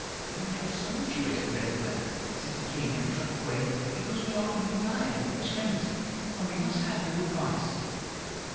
"'We have summoned you, Esmeralda,' said the king in a troubled way, 'because we are in dire extremity, and must have your advice.